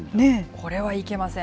これはいけません。